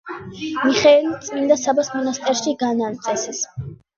მიხეილი წმინდა საბას მონასტერში განამწესეს.